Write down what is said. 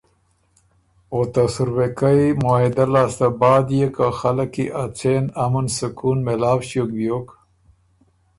او ته سُروېکئ معاهدۀ لاسته بعد يې که خلق کی ا څېن امن سکون مېلاؤ ݭیوک بیوک